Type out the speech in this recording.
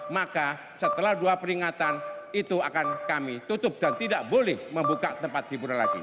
maka setelah dua peringatan itu akan kami tutup dan tidak boleh membuka tempat hiburan lagi